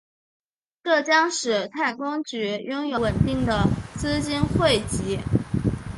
这将使太空局拥有稳定的资金汇集。